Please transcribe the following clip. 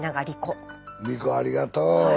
梨心ありがとう。